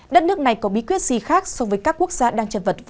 đất nước này có bí quyết gì khác so với các quốc gia